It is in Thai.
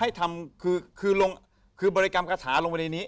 ให้ทำคือบริกรรมกระถาลงไปในนี้